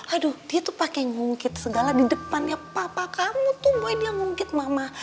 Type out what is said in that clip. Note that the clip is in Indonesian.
aduh dia tuh pake ngungkit segala di depannya papa kamu tuh boy dia ngungkit mama